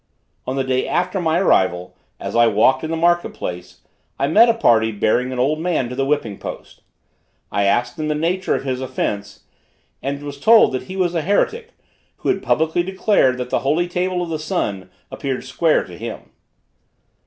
On the day after my arrival, as I walked in the market place, I met a party bearing an old man to the whipping post. I asked them the nature of his offence, and was told that he was a heretic, who had publicly declared that the holy table of the sun appeared square to him.